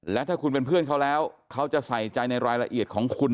และถ้าคุณเป็นเพื่อนเขาแล้วเขาจะใส่ใจในรายละเอียดของคุณ